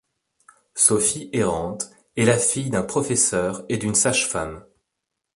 Sophie Errante est la fille d'un professeur et d'une sage-femme.